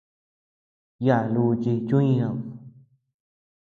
Yaʼa luchi chu ñeʼed.